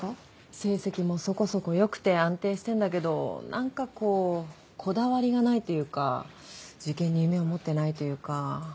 成績もそこそこ良くて安定してんだけど何かこうこだわりがないというか受験に夢を持ってないというか。